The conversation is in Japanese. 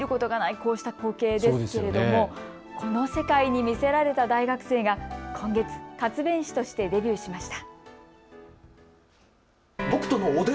こうした光景ですけれどもこの世界に魅せられた大学生が今月、活弁士としてデビューしました。